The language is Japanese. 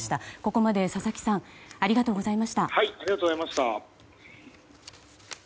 ここまで佐々木さんありがとうございました。